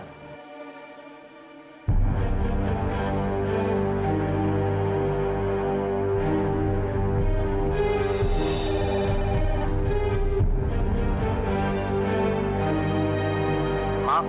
tapi menurut saya cukup potensial mbak